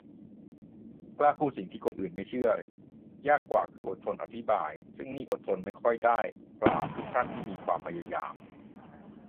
กล้าพูดสิ่งที่คนอื่นไม่เชื่อ ยากกว่าคืออดทนอธิบาย ซึ่งนี่อดทนไม่ค่อยได้ กราบทุกท่านที่มีความพยายาม